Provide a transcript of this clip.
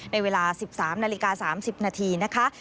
ในเวลา๑๓นาฬิกา๓๐นาทีนะคะ